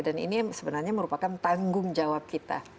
dan ini sebenarnya merupakan tanggung jawab kita